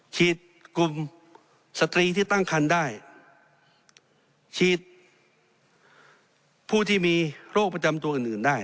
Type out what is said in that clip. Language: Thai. ฉีดกลุ่มสตรีที่ตั้งคันได้ฉีดผู้ที่มีโรคประจำตัวอื่นอื่นได้